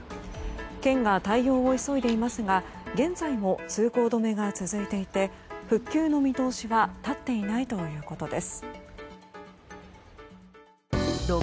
県が対応を急いでいますが現在も通行止めが続いていて復旧の見通しは立っていないということです。